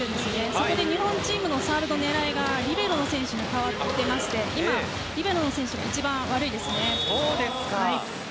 そこで日本チームのサーブの狙いがリベロの選手に狙いが変わっていまして今、リベロの選手が一番悪いです。